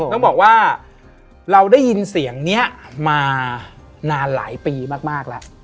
ต้องบอกว่าเราได้ยินเสียงนี้มานานหลายปีมากแล้ว